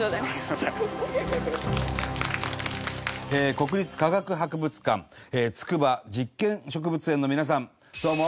国立科学博物館筑波実験植物園の皆さんどうも。